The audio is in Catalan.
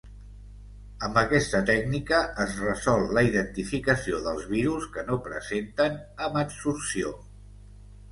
Amb aquesta tècnica es resol la identificació dels virus que no presenten hemadsorció.